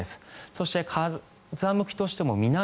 そして、風向きとしても南。